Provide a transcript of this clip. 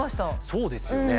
そうですよね。